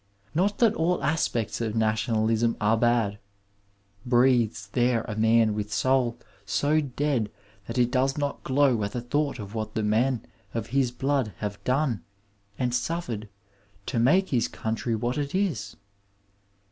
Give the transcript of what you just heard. Not that all aspects of nationalism are bad. Breathes there a mui with soul so dead that it does not glow at the thought of what the men of his blood have done and suffered to make his country what it is